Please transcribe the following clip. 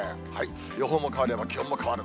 予報も変われば気温も変わる。